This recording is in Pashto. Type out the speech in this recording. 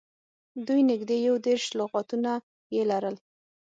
دوی نږدې یو دېرش لغاتونه یې لرل.